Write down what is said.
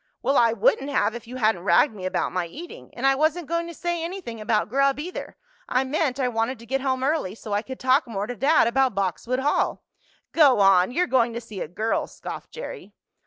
"Well, I wouldn't have if you hadn't ragged me about my eating. And I wasn't going to say anything about grub, either. I meant I wanted to get home early so I could talk more to dad about Boxwood Hall." "Go on! You're going to see a girl!" scoffed Jerry.